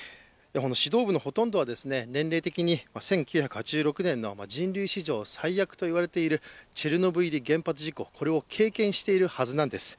指導部のほとんどは年齢的に１９８６年の人類史上最悪といわれているチョルノービリ原発事故これを経験しているはずなんです。